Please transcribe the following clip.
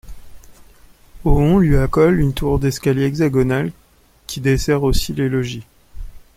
Au on lui accole une tour d'escalier hexagonale qui dessert aussi les logis.